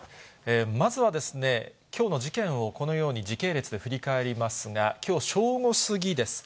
まずは、きょうの事件をこのように時系列で振り返りますが、きょう正午過ぎです。